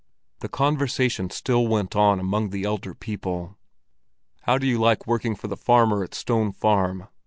The conversation still went on among the elder people. "How do you like working for the farmer at Stone Farm?"